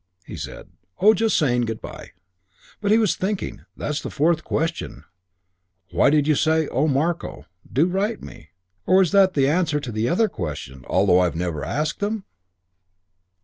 He said, "Oh, just saying good by." But he was thinking, "That's a fourth question: Why did you say, 'Oh, Marko, do write to me'? Or was that the answer to the other questions, although I never asked them?"